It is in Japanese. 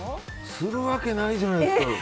するわけないじゃないですか！